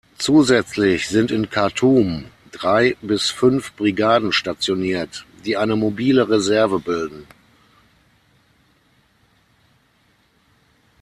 Zusätzlich sind in Khartum drei bis fünf Brigaden stationiert, die eine mobile Reserve bilden.